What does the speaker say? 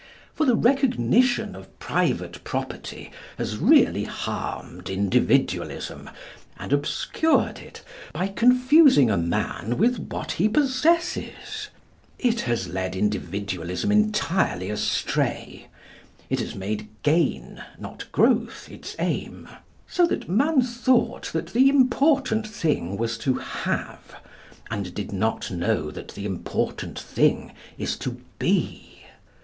For the recognition of private property has really harmed Individualism, and obscured it, by confusing a man with what he possesses. It has led Individualism entirely astray. It has made gain not growth its aim. So that man thought that the important thing was to have, and did not know that the important thing is to be.